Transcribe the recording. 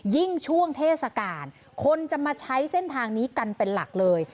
ยิ่งช่วงเทศกาลคนจะมาใช้เส้นทางนี้กันเป็นหลักเลย